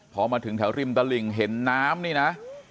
พอมาถึงแถวริมตลิ่งเห็นน้ำนี่นะ